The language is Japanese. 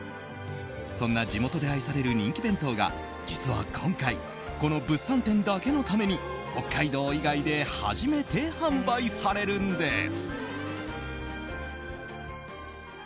そんな地元で愛される人気弁当が実は今回この物産展だけのために北海道以外で初めて販売されるんです。